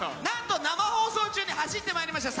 生放送中に走ってまいりました。